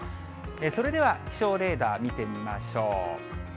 それでは気象レーダー見てみましょう。